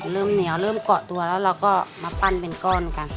เริ่มเหนียวเริ่มเกาะตัวแล้วเราก็มาปั้นเป็นก้อนกัน